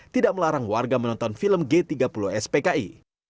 tidak melarang warga menonton film g tiga puluh spki